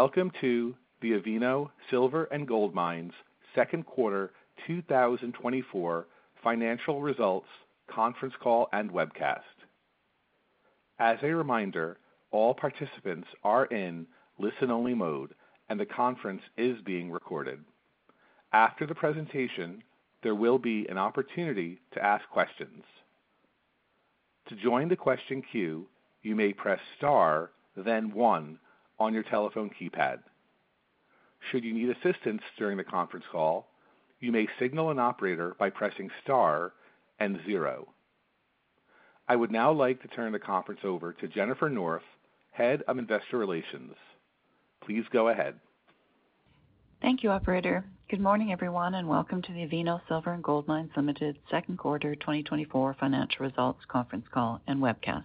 Welcome to the Avino Silver & Gold Mines Second Quarter 2024 financial results conference call and webcast. As a reminder, all participants are in listen-only mode, and the conference is being recorded. After the presentation, there will be an opportunity to ask questions. To join the question queue, you may press Star, then one on your telephone keypad. Should you need assistance during the conference call, you may signal an operator by pressing Star and zero. I would now like to turn the conference over to Jennifer North, Head of Investor Relations. Please go ahead. Thank you, operator. Good morning, everyone, and welcome to the Avino Silver & Gold Mines Ltd. Q2 financial results conference call and webcast.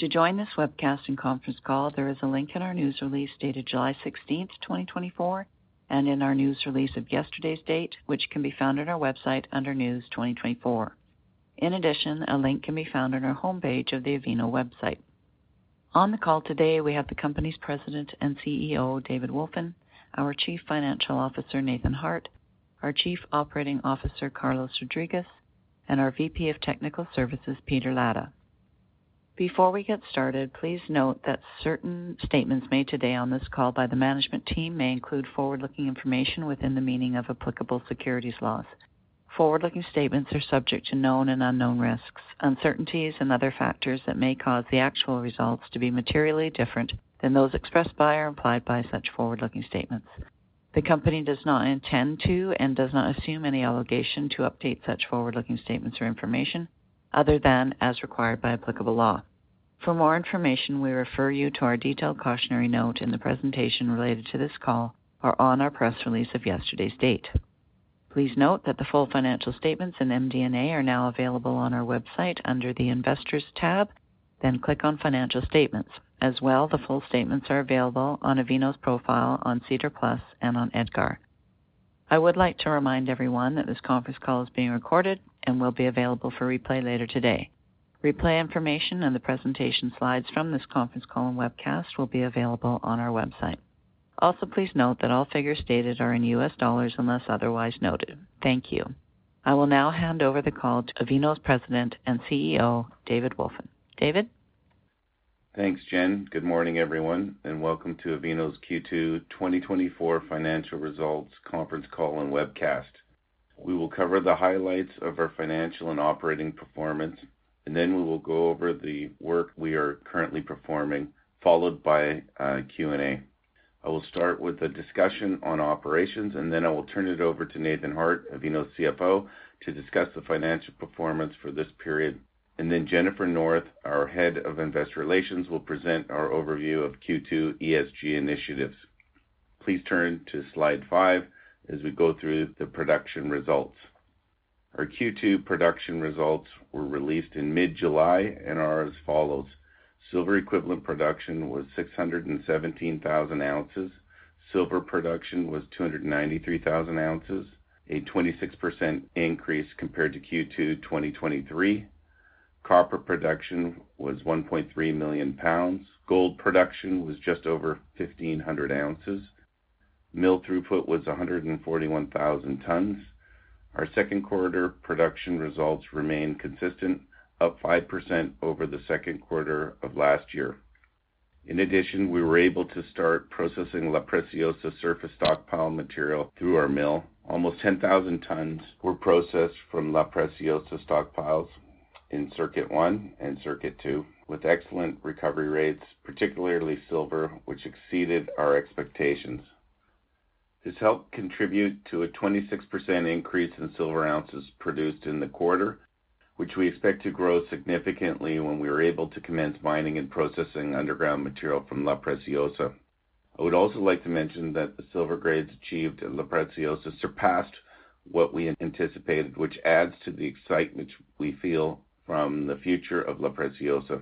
To join this webcast and conference call, there is a link in our news release dated 16 July 2024, and in our news release of yesterday's date, which can be found on our website under News 2024. In addition, a link can be found on our homepage of the Avino website. On the call today, we have the company's President and CEO, David Wolfin, our Chief Financial Officer, Nathan Harte, our Chief Operating Officer, Carlos Rodriguez, and our VP of Technical Services, Peter Latta. Before we get started, please note that certain statements made today on this call by the management team may include forward-looking information within the meaning of applicable securities laws. Forward-looking statements are subject to known and unknown risks, uncertainties, and other factors that may cause the actual results to be materially different than those expressed by or implied by such forward-looking statements. The Company does not intend to, and does not assume any obligation to update such forward-looking statements or information other than as required by applicable law. For more information, we refer you to our detailed cautionary note in the presentation related to this call or on our press release of yesterday's date. Please note that the full financial statements in MD&A are now available on our website under the Investors tab, then click on Financial Statements. As well, the full statements are available on Avino's profile, on SEDAR+, and on EDGAR. I would like to remind everyone that this conference call is being recorded and will be available for replay later today. Replay information and the presentation slides from this conference call and webcast will be available on our website. Also, please note that all figures stated are in U.S. dollars, unless otherwise noted. Thank you. I will now hand over the call to Avino's President and CEO, David Wolfin. David? Thanks, Jen. Good morning, everyone, and welcome to Avino's Q2 2024 financial results conference call and webcast. We will cover the highlights of our financial and operating performance, and then we will go over the work we are currently performing, followed by Q&A. I will start with a discussion on operations, and then I will turn it over to Nathan Harte, Avino's CFO, to discuss the financial performance for this period. Jennifer North, our Head of Investor Relations, will present our overview of Q2 ESG initiatives. Please turn to slide five as we go through the production results. Our Q2 production results were released in mid-July and are as follows: Silver equivalent production was 617,000 ounces. Silver production was 293,000 ounces, a 26% increase compared to Q2 2023. Copper production was 1.3 million pounds. Gold production was just over 1,500 ounces. Mill throughput was 141,000 tons. Our Q2 production results remain consistent, up 5% over the Q2 of last year. In addition, we were able to start processing La Preciosa surface stockpile material through our mill. Almost 10,000 tons were processed from La Preciosa stockpiles in Circuit one and Circuit two, with excellent recovery rates, particularly silver, which exceeded our expectations. This helped contribute to a 26% increase in silver ounces produced in the quarter, which we expect to grow significantly when we are able to commence mining and processing underground material from La Preciosa. I would also like to mention that the silver grades achieved in La Preciosa surpassed what we had anticipated, which adds to the excitement we feel from the future of La Preciosa.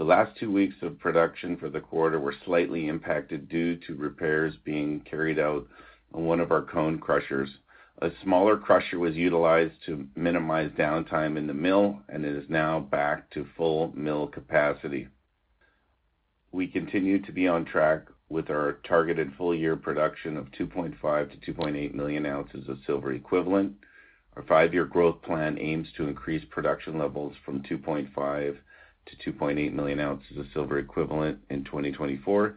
The last two weeks of production for the quarter were slightly impacted due to repairs being carried out on one of our cone crushers. A smaller crusher was utilized to minimize downtime in the mill and is now back to full mill capacity. We continue to be on track with our targeted full year production of 2.5 to 2.8 million ounces of silver equivalent. Our five-year growth plan aims to increase production levels from 2.5 to 2.8 million ounces of silver equivalent in 2024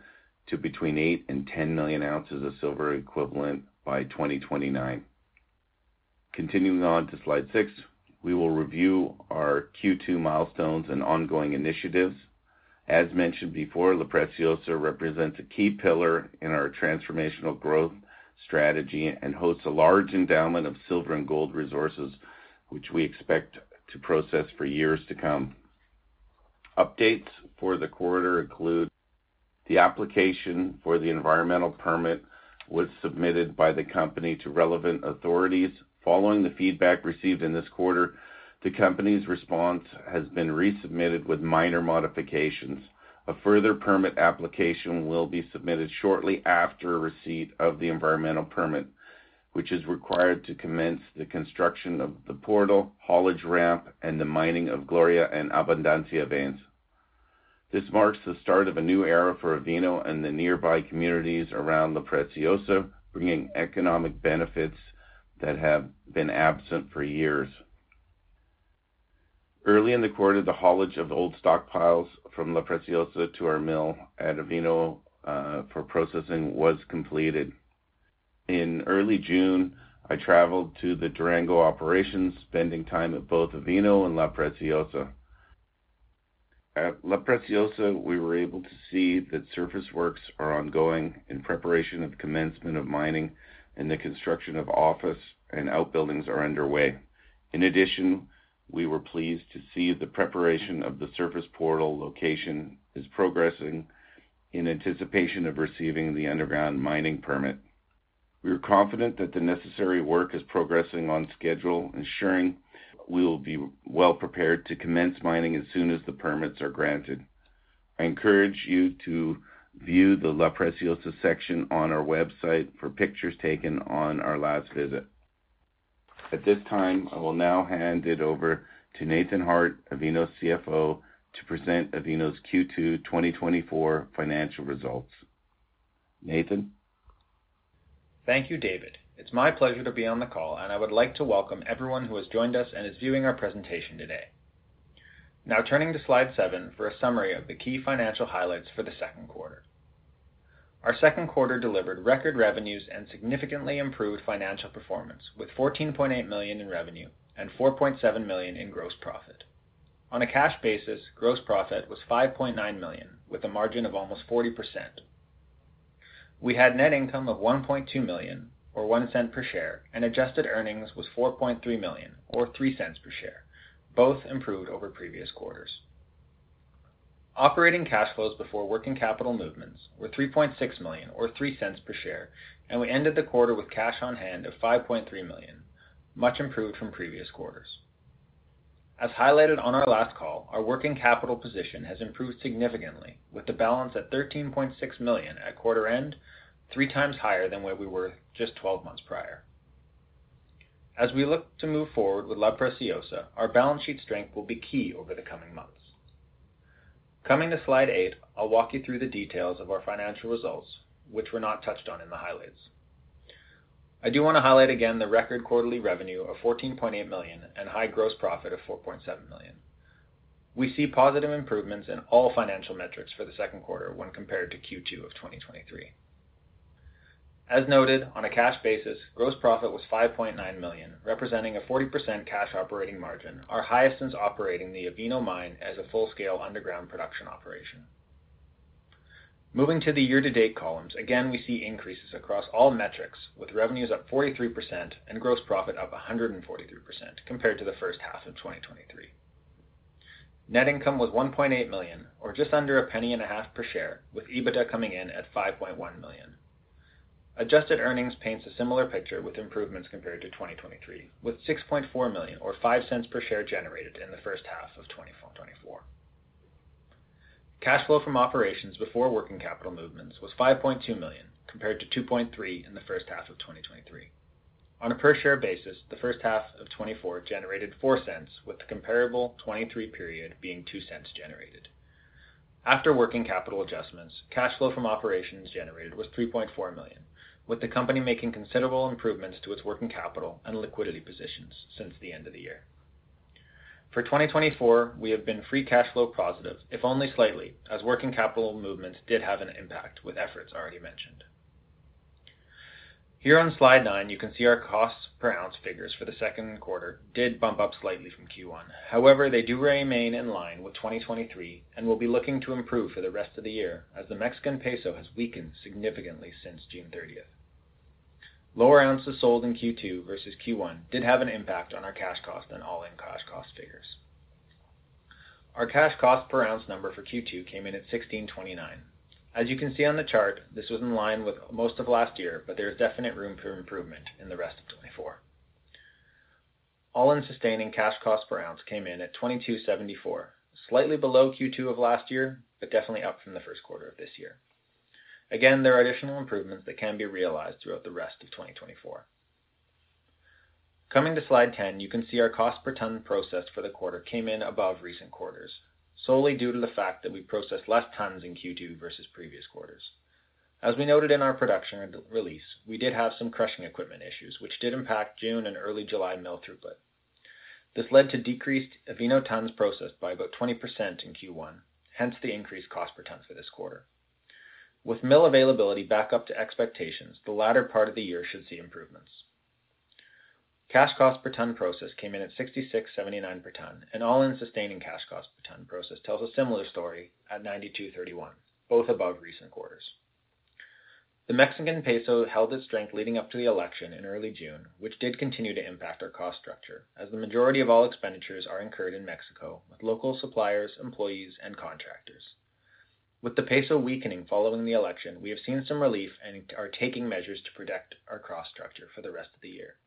to between eight and 10 million ounces of silver equivalent by 2029. Continuing on to slide six, we will review our Q2 milestones and ongoing initiatives. As mentioned before, La Preciosa represents a key pillar in our transformational growth strategy and hosts a large endowment of silver and gold resources, which we expect to process for years to come. Updates for the quarter include: The application for the environmental permit was submitted by the company to relevant authorities. Following the feedback received in this quarter, the company's response has been resubmitted with minor modifications. A further permit application will be submitted shortly after receipt of the environmental permit, which is required to commence the construction of the portal, haulage ramp, and the mining of Gloria and Abundancia veins. This marks the start of a new era for Avino and the nearby communities around La Preciosa, bringing economic benefits that have been absent for years. Early in the quarter, the haulage of old stockpiles from La Preciosa to our mill at Avino for processing was completed. In early June, I traveled to the Durango operations, spending time at both Avino and La Preciosa. At La Preciosa, we were able to see that surface works are ongoing in preparation of the commencement of mining, and the construction of office and outbuildings are underway. In addition, we were pleased to see the preparation of the surface portal location is progressing in anticipation of receiving the underground mining permit. We are confident that the necessary work is progressing on schedule, ensuring we will be well prepared to commence mining as soon as the permits are granted. I encourage you to view the La Preciosa section on our website for pictures taken on our last visit. At this time, I will now hand it over to Nathan Hart, Avino's CFO, to present Avino's Q2 2024 financial results. Nathan? Thank you, David. It's my pleasure to be on the call, and I would like to welcome everyone who has joined us and is viewing our presentation today. Now, turning to slide seven for a summary of the key financial highlights for the Q2. Our Q2 delivered record revenues and significantly improved financial performance, with $14.8 million in revenue and $4.7 million in gross profit. On a cash basis, gross profit was $5.9 million, with a margin of almost 40%. We had net income of $1.2 million, or $0.01 per share, and adjusted earnings was $4.3 million, or $0.03 per share, both improved over previous quarters. Operating cash flows before working capital movements were $3.6 million, or $0.03 per share, and we ended the quarter with cash on hand of $5.3 million, much improved from previous quarters. As highlighted on our last call, our working capital position has improved significantly, with the balance at $13.6 million at quarter end, three times higher than where we were just 12 months prior. As we look to move forward with La Preciosa, our balance sheet strength will be key over the coming months. Coming to slide eight, I'll walk you through the details of our financial results, which were not touched on in the highlights. I do want to highlight again the record quarterly revenue of $14.8 million and high gross profit of $4.7 million. We see positive improvements in all financial metrics for the Q2 when compared to Q2 of 2023. As noted, on a cash basis, gross profit was $5.9 million, representing a 40% cash operating margin, our highest since operating the Avino Mine as a full-scale underground production operation. Moving to the year-to-date columns, again, we see increases across all metrics, with revenues up 43% and gross profit up 143% compared to the H1 of 2023. Net income was $1.8 million, or just under a penny and a half per share, with EBITDA coming in at $5.1 million. Adjusted earnings paints a similar picture with improvements compared to 2023, with $6.4 million or $0.05 per share generated in the H1 of 2024. Cash flow from operations before working capital movements was $5.2 million, compared to $2.3 million in the H1 of 2023. On a per-share basis, the H1 of 2024 generated $0.04, with the comparable 2023 period being $0.02 generated. After working capital adjustments, cash flow from operations generated was $3.4 million, with the company making considerable improvements to its working capital and liquidity positions since the end of the year. For 2024, we have been free cash flow positive, if only slightly, as working capital movements did have an impact with efforts already mentioned. Here on slide nine, you can see our costs per ounce figures for the Q2 did bump up slightly from Q1. However, they do remain in line with 2023 and will be looking to improve for the rest of the year as the Mexican peso has weakened significantly since June 30th. Lower ounces sold in Q2 versus Q1 did have an impact on our cash cost and all-in cash cost figures. Our cash cost per ounce number for Q2 came in at $1,629. As you can see on the chart, this was in line with most of last year, but there is definite room for improvement in the rest of 2024. All-in Sustaining Cash Cost per ounce came in at $2,274, slightly below Q2 of last year, but definitely up from the Q1 of this year. Again, there are additional improvements that can be realized throughout the rest of 2024. Coming to Slide 10, you can see our cost per ton processed for the quarter came in above recent quarters, solely due to the fact that we processed less tons in Q2 versus previous quarters. As we noted in our production release, we did have some crushing equipment issues, which did impact June and early July mill throughput. This led to decreased Avino tons processed by about 20% in Q1, hence the increased cost per ton for this quarter. With mill availability back up to expectations, the latter part of the year should see improvements. Cash cost per ton process came in at $66.79 per ton, and All-In Sustaining Cash Cost per ton process tells a similar story at $92.31, both above recent quarters. The Mexican peso held its strength leading up to the election in early June, which did continue to impact our cost structure, as the majority of all expenditures are incurred in Mexico, with local suppliers, employees, and contractors. With the peso weakening following the election, we have seen some relief and are taking measures to protect our cost structure for the rest of the year.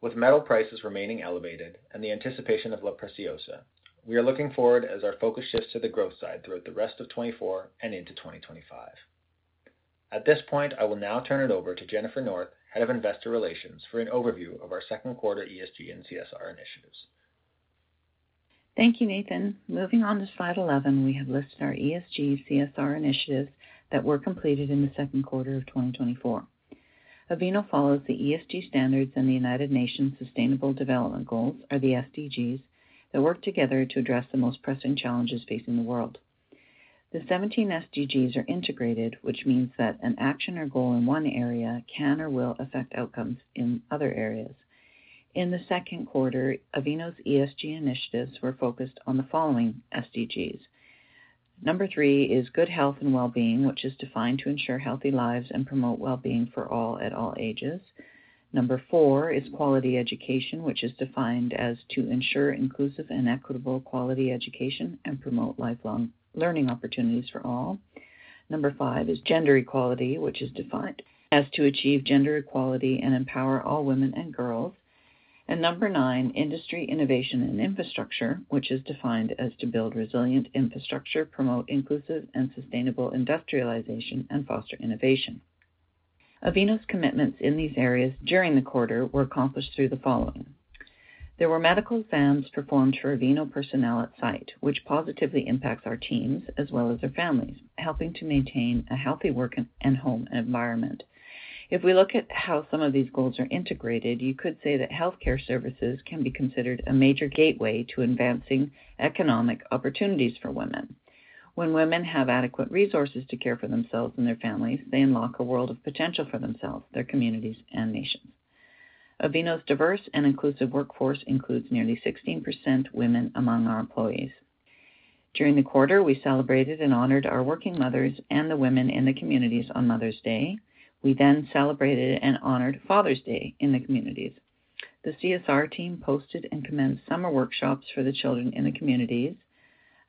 With metal prices remaining elevated and the anticipation of La Preciosa, we are looking forward as our focus shifts to the growth side throughout the rest of 2024 and into 2025. ...At this point, I will now turn it over to Jennifer North, Head of Investor Relations, for an overview of our Q2 ESG and CSR initiatives. Thank you, Nathan. Moving on to slide 11, we have listed our ESG CSR initiatives that were completed in the Q2 of 2024. Avino follows the ESG standards and the United Nations Sustainable Development Goals, or the SDGs, that work together to address the most pressing challenges facing the world. The 17 SDGs are integrated, which means that an action or goal in one area can or will affect outcomes in other areas. In the Q2, Avino's ESG initiatives were focused on the following SDGs. Number three is good health and well-being, which is defined to ensure healthy lives and promote well-being for all at all ages. Number four is quality education, which is defined as to ensure inclusive and equitable quality education and promote lifelong learning opportunities for all. Number five is gender equality, which is defined as to achieve gender equality and empower all women and girls. Number nine, industry, innovation, and infrastructure, which is defined as to build resilient infrastructure, promote inclusive and sustainable industrialization, and foster innovation. Avino's commitments in these areas during the quarter were accomplished through the following. There were medical exams performed for Avino personnel at site, which positively impacts our teams as well as their families, helping to maintain a healthy work and home environment. If we look at how some of these goals are integrated, you could say that healthcare services can be considered a major gateway to advancing economic opportunities for women. When women have adequate resources to care for themselves and their families, they unlock a world of potential for themselves, their communities, and nations. Avino's diverse and inclusive workforce includes nearly 16% women among our employees. During the quarter, we celebrated and honored our working mothers and the women in the communities on Mother's Day. We then celebrated and honored Father's Day in the communities. The CSR team posted and commenced summer workshops for the children in the communities.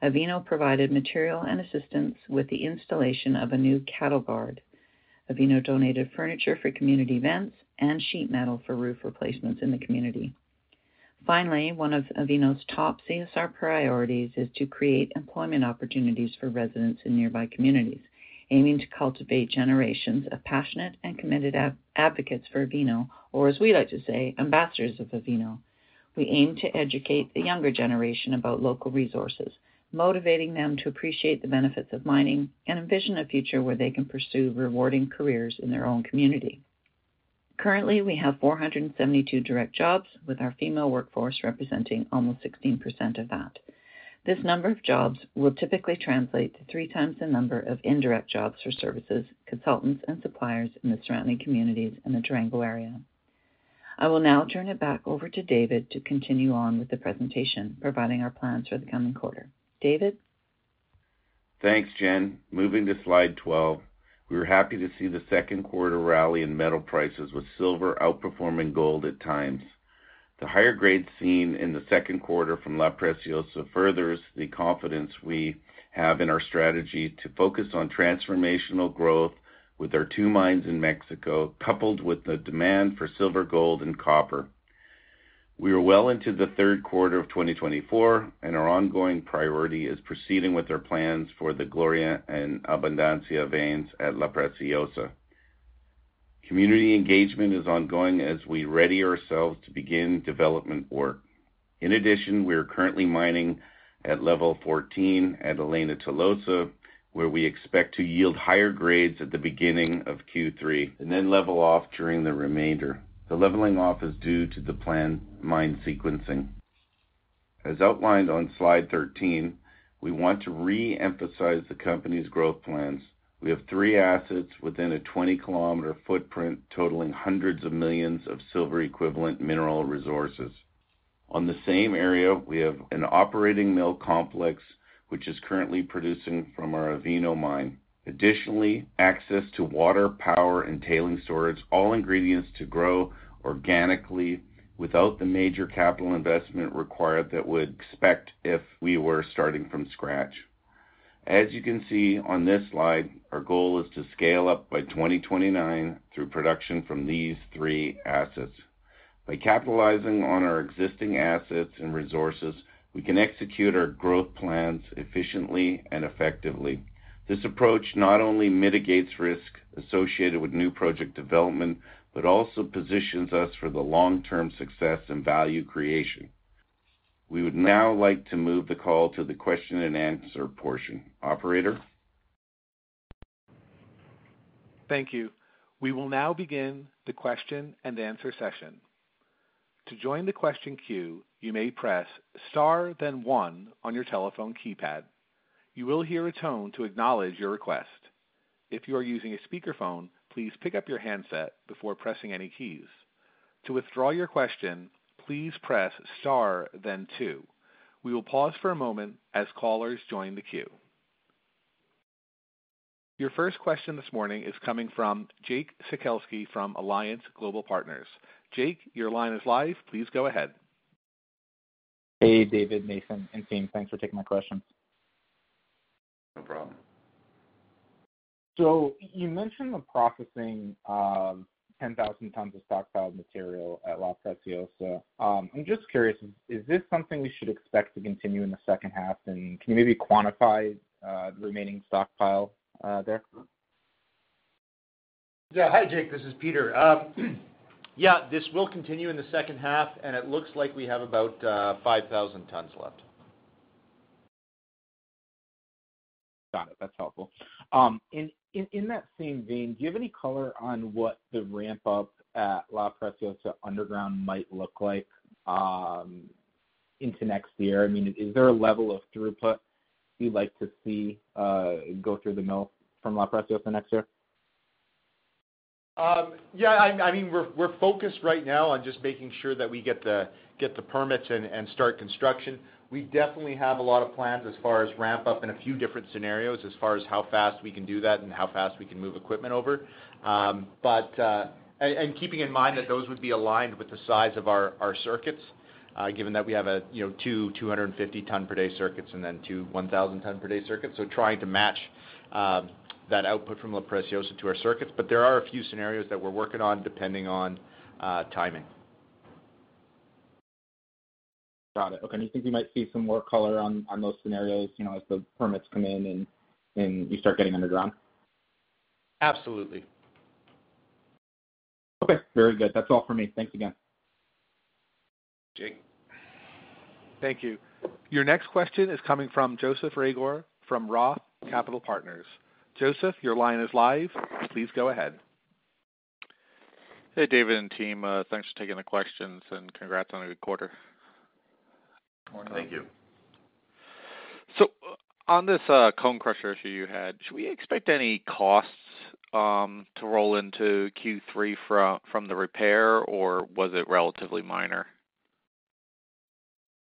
Avino provided material and assistance with the installation of a new cattle guard. Avino donated furniture for community events and sheet metal for roof replacements in the community. Finally, one of Avino's top CSR priorities is to create employment opportunities for residents in nearby communities, aiming to cultivate generations of passionate and committed advocates for Avino, or as we like to say, ambassadors of Avino. We aim to educate the younger generation about local resources, motivating them to appreciate the benefits of mining and envision a future where they can pursue rewarding careers in their own community. Currently, we have 472 direct jobs, with our female workforce representing almost 16% of that. This number of jobs will typically translate to three times the number of indirect jobs for services, consultants, and suppliers in the surrounding communities in the Triangle Area. I will now turn it back over to David to continue on with the presentation, providing our plans for the coming quarter. David? Thanks, Jen. Moving to slide 12. We were happy to see the Q2 rally in metal prices, with silver outperforming gold at times. The higher grades seen in the Q2 from La Preciosa furthers the confidence we have in our strategy to focus on transformational growth with our two mines in Mexico, coupled with the demand for silver, gold, and copper. We are well into the Q3 of 2024, and our ongoing priority is proceeding with our plans for the Gloria and Abundancia veins at La Preciosa. Community engagement is ongoing as we ready ourselves to begin development work. In addition, we are currently mining at level 14 at Elena Tolosa, where we expect to yield higher grades at the beginning of Q3 and then level off during the remainder. The leveling off is due to the planned mine sequencing. As outlined on slide 13, we want to reemphasize the company's growth plans. We have three assets within a 20-kilometer footprint, totaling hundreds of millions of silver-equivalent mineral resources. On the same area, we have an operating mill complex, which is currently producing from our Avino Mine. Additionally, access to water, power, and tailings storage, all ingredients to grow organically without the major capital investment required that we'd expect if we were starting from scratch. As you can see on this slide, our goal is to scale up by 2029 through production from these three assets. By capitalizing on our existing assets and resources, we can execute our growth plans efficiently and effectively. This approach not only mitigates risk associated with new project development, but also positions us for the long-term success and value creation. We would now like to move the call to the question-and-answer portion. Operator? Thank you. We will now begin the question-and-answer session. To join the question queue, you may press star, then one on your telephone keypad. You will hear a tone to acknowledge your request. If you are using a speakerphone, please pick up your handset before pressing any keys. To withdraw your question, please press star then two. We will pause for a moment as callers join the queue. Your first question this morning is coming from Jake Sekelsky from Alliance Global Partners. Jake, your line is live. Please go ahead. Hey, David, Nathan, and team. Thanks for taking my questions. No problem. So you mentioned the processing of 10,000 tons of stockpiled material at La Preciosa. I'm just curious, is this something we should expect to continue in the H2? And can you maybe quantify the remaining stockpile there?... Yeah. Hi, Jake, this is Peter. Yeah, this will continue in the H2, and it looks like we have about 5,000 tons left. Got it. That's helpful. In that same vein, do you have any color on what the ramp up at La Preciosa underground might look like into next year? I mean, is there a level of throughput you'd like to see go through the mill from La Preciosa next year? Yeah, I mean, we're focused right now on just making sure that we get the permits and start construction. We definitely have a lot of plans as far as ramp up in a few different scenarios, as far as how fast we can do that and how fast we can move equipment over. And keeping in mind that those would be aligned with the size of our circuits, given that we have, you know, two 250 ton per day circuits and then two 1,000 ton per day circuits. So trying to match that output from La Preciosa to our circuits. But there are a few scenarios that we're working on, depending on timing. Got it. Okay. And you think you might see some more color on, on those scenarios, you know, as the permits come in and, and you start getting underground? Absolutely. Okay, very good. That's all for me. Thanks again. Jake, thank you. Your next question is coming from Joseph Reagor, from Roth Capital Partners. Joseph, your line is live. Please go ahead. Hey, David and team. Thanks for taking the questions, and congrats on a good quarter. Thank you. On this cone crusher issue you had, should we expect any costs to roll into Q3 from the repair, or was it relatively minor?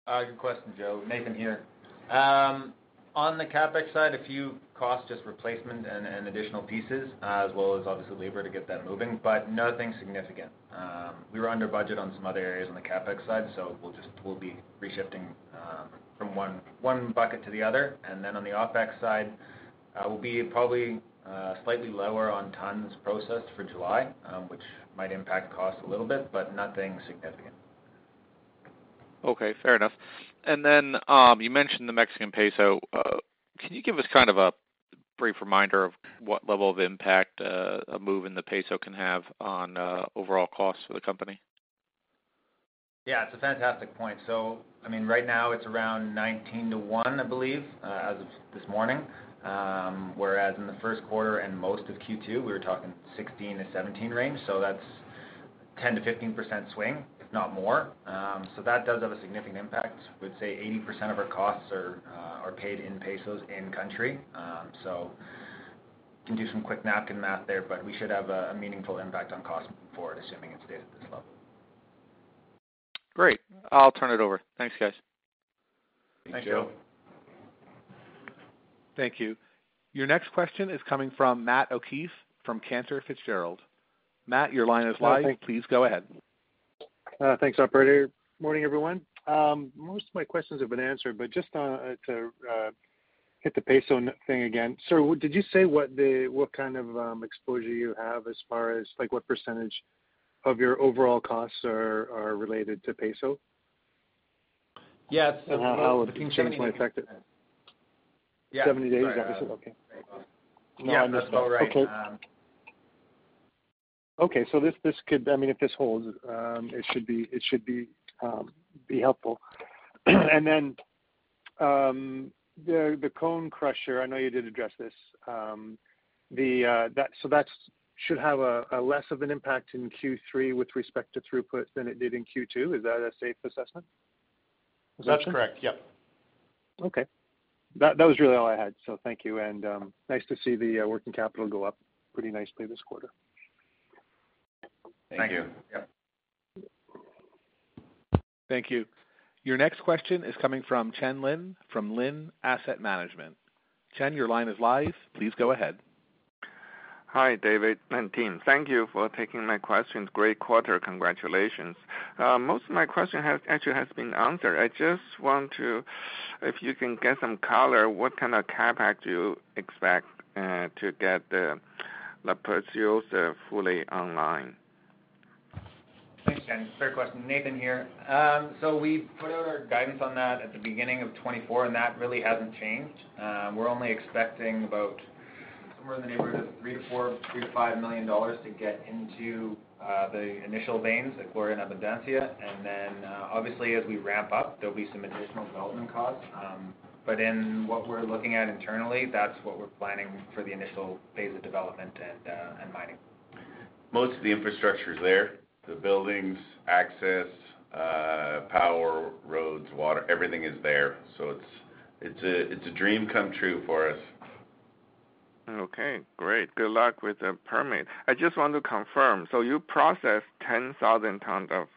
Good question, Joe. Nathan here. On the CapEx side, a few costs, just replacement and, and additional pieces, as well as obviously labor to get that moving, but nothing significant. We were under budget on some other areas on the CapEx side, so we'll be re-shifting from one bucket to the other. And then on the OpEx side, we'll be probably slightly lower on tons processed for July, which might impact cost a little bit, but nothing significant. Okay, fair enough. And then, you mentioned the Mexican peso. Can you give us kind of a brief reminder of what level of impact, a move in the peso can have on, overall costs for the company? Yeah, it's a fantastic point. So I mean, right now it's around 19 to 1, I believe, as of this morning. Whereas in the Q1 and most of Q2, we were talking 16 to 17 range, so that's 10% to 15% swing, if not more. So that does have a significant impact. I would say 80% of our costs are paid in pesos in country. So can do some quick napkin math there, but we should have a meaningful impact on cost for it, assuming it stays at this level. Great. I'll turn it over. Thanks, guys. Thank you. Thank you. Your next question is coming from Matt O'Keefe, from Cantor Fitzgerald. Matt, your line is live. Please go ahead. Thanks, operator. Morning, everyone. Most of my questions have been answered, but just to hit the peso thing again. Sir, did you say what kind of exposure you have as far as, like, what percentage of your overall costs are related to peso? Yeah, it's- How it might affect it? Yeah. 70 days, okay. Yeah, that's about right. Okay. So this could... I mean, if this holds, it should be helpful. And then, the cone crusher, I know you did address this. That... So that should have a less of an impact in Q3 with respect to throughput than it did in Q2. Is that a safe assessment? That's correct, yep. Okay. That, that was really all I had. So thank you, and, nice to see the, working capital go up pretty nicely this quarter. Thank you. Yep. Thank you. Your next question is coming from Chen Lin, from Lin Asset Management. Chen, your line is live. Please go ahead. Hi, David and team. Thank you for taking my questions. Great quarter, congratulations. Most of my question has actually been answered. I just want to, if you can get some color, what kind of CapEx do you expect to get the La Preciosa fully online? Thanks, Chen. Fair question. Nathan here. So we put out our guidance on that at the beginning of 2024, and that really hasn't changed. We're only expecting about somewhere in the neighborhood of $3 to 4, $3 to 5 million to get into the initial veins at Gloria and Abundancia. And then, obviously, as we ramp up, there'll be some additional development costs. But in what we're looking at internally, that's what we're planning for the initial phase of development and, and mining. Most of the infrastructure is there. The buildings, access, power, roads, water, everything is there. So it's a dream come true for us. Okay, great. Good luck with the permit. I just want to confirm: so you processed 10,000 tons of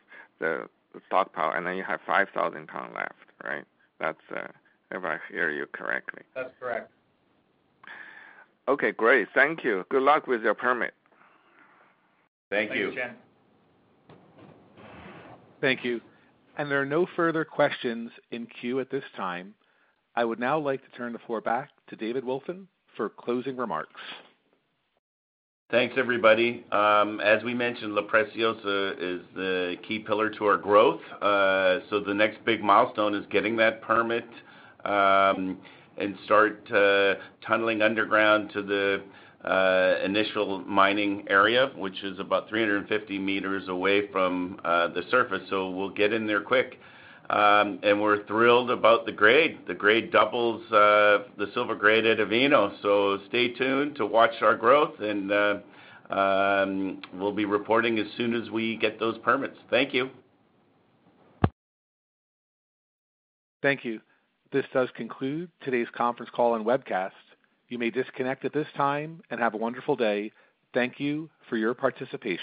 the stockpile, and then you have 5,000 tons left, right? That's if I hear you correctly. That's correct. Okay, great. Thank you. Good luck with your permit. Thank you. Thank you, Chen. Thank you. There are no further questions in queue at this time. I would now like to turn the floor back to David Wolfin for closing remarks. Thanks, everybody. As we mentioned, La Preciosa is the key pillar to our growth. So the next big milestone is getting that permit, and start tunneling underground to the initial mining area, which is about 350 meters away from the surface. So we'll get in there quick. And we're thrilled about the grade. The grade doubles the silver grade at Avino. So stay tuned to watch our growth, and we'll be reporting as soon as we get those permits. Thank you. Thank you. This does conclude today's conference call and webcast. You may disconnect at this time, and have a wonderful day. Thank you for your participation.